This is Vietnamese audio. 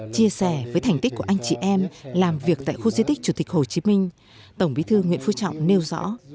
chia sẻ với thành tích của anh chị em làm việc tại khu di tích chủ tịch hồ chí minh tổng bí thư nguyễn phú trọng nêu rõ